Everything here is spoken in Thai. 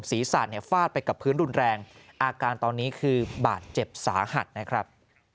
ศีรษะเนี่ยฟาดไปกับพื้นรุนแรงอาการตอนนี้คือบาดเจ็บสาหัสนะครับ